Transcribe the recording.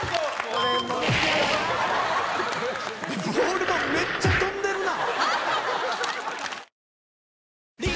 「ボールもめっちゃ飛んでるな」